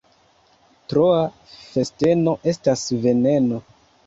Troa festeno estas veneno.